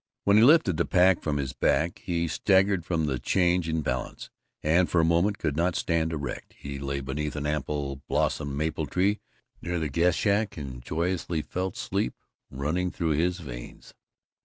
When he lifted the pack from his back he staggered from the change in balance, and for a moment could not stand erect. He lay beneath an ample bosomed maple tree near the guest shack, and joyously felt sleep running through his veins.